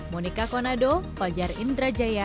monika konado fajar indrajaya